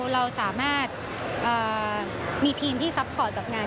เราสามารถมีทีมที่ซัพพอร์ตกับงาน